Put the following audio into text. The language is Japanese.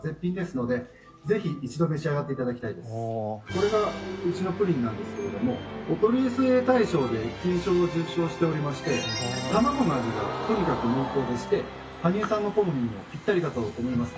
「これがうちのプリンなんですけれどもお取り寄せ大賞で金賞を受賞しておりまして卵の味がとにかく濃厚でして羽生さんの好みにもピッタリかと思います」